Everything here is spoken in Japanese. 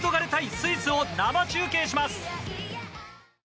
スイスを生中継します。